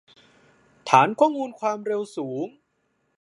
ฐานข้อมูลความเร็วสูง